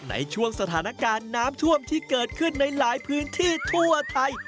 ในช่วงสถานการณ์น้ำท่วมที่เกิดขึ้นในหลายพื้นที่ทั่วไทย